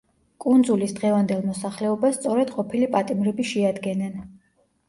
კუნძულის დღევანდელ მოსახლეობას სწორედ ყოფილი პატიმრები შეადგენენ.